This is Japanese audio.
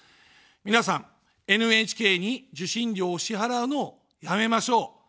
皆さん、ＮＨＫに受信料を支払うのをやめましょう。